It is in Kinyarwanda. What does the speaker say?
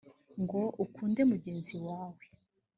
ngo ukunde mugenzi wawe